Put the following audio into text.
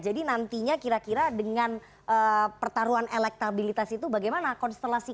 jadi nantinya kira kira dengan pertarungan elektabilitas itu bagaimana konstelasi